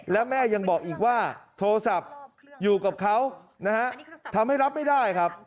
แล้วแม่ยังบอกอีกว่าโทรศัพท์อยู่กับเขานะฮะทำให้รับไม่ได้ครับ